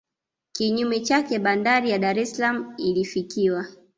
Kinyume chake bandari ya Dar es Salaam ilifikiwa